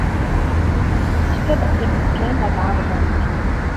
Yessefk ad qqiment kan ad ɛerrḍent.